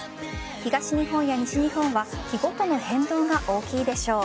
東日本や西日本は日ごとの変動が大きいでしょう。